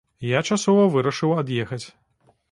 Я часова вырашыў ад'ехаць.